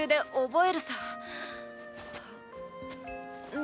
え？